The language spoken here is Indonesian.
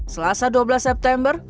selasa dua belas september